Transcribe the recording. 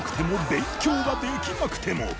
勉強ができなくても！